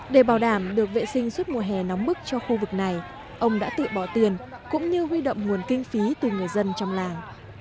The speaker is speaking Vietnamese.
để bảo đảm được vệ sinh suốt mùa hè nóng bức cho khu vực này ông đã tự bỏ tiền cũng như huy động nguồn kinh phí từ người dân trong làng